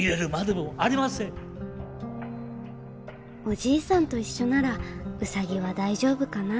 おじいさんと一緒ならウサギは大丈夫かな。